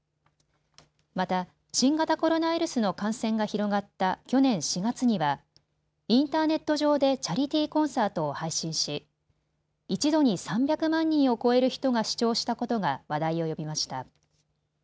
また新型コロナウイルスの感染が広がった去年４月にはインターネット上でチャリティーコンサートを配信し一度に３００万人を超える人が視聴したことが話題を呼びました。